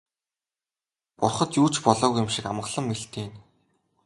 Бурхад юу ч болоогүй юм шиг амгалан мэлтийнэ.